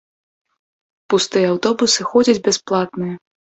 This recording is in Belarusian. Пустыя аўтобусы ходзяць бясплатныя.